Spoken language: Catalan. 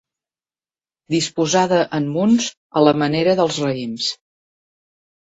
Disposada en munts a la manera dels raïms.